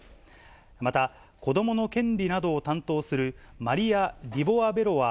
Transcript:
また、子どもの権利などを担当するマリア・リボワベロワ